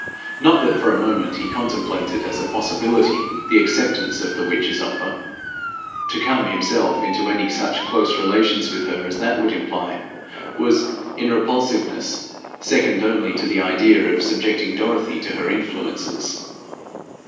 Not that for a moment he contemplated as a possibility the acceptance of the witch's offer. To come himself into any such close relations with her as that would imply, was in repulsiveness second only to the idea of subjecting Dorothy to her influences.